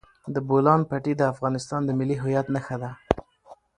د بولان پټي د افغانستان د ملي هویت نښه ده.